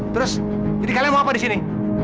terus jadi kalian mau apa di sini